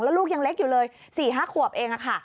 แล้วลูกยังเล็กอยู่เลย๔๕ขวบเองค่ะ